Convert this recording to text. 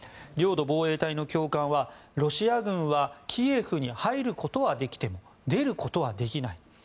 領土防衛隊の教官は、ロシア軍はキエフに入ることはできても出ることはできない。